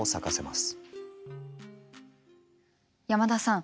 山田さん